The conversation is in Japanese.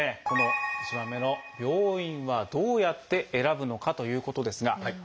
この１番目の「病院はどうやって選ぶのか？」ということですが。